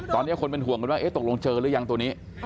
ตอนนี้คนเป็นห่วงกันว่าตกลงเจอหรือยังตัวนี้